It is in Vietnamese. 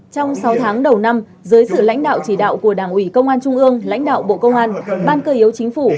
trong sáu tháng đầu năm dưới sự lãnh đạo chỉ đạo của đảng ủy công an trung ương lãnh đạo bộ công an ban cơ yếu chính phủ